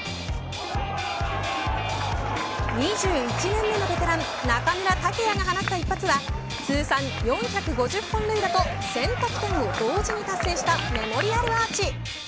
２１年目のベテラン中村剛也が放った一発は通算４５０本塁打と１０００得点を同時に達成したメモリアルアーチ